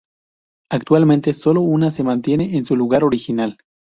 Actualmente, solo una se mantiene en su lugar original.